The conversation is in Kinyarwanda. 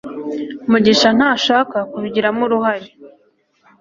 mugisha ntashaka kubigiramo uruhare